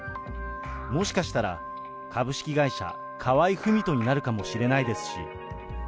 もしかしたら、株式会社河合郁人になるかもしれないですし。